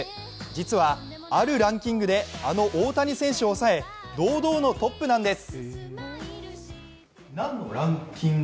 実はあるランキングであの大谷選手を抑え、堂々のトップなんです。